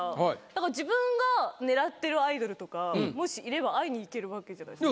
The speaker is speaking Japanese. だから自分が狙ってるアイドルとかもしいれば会いに行けるわけじゃないですか。